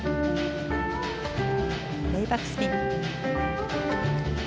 レイバックスピン。